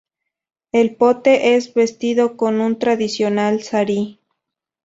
El pote es vestido con un tradicional sari.